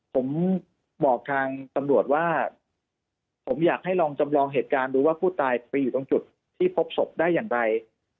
ผมบอกทางตำรวจว่าผมอยากให้ลองจำลองเหตุการณ์ดูว่าผู้ตายไปอยู่ตรงจุดที่พบศพได้อย่างไร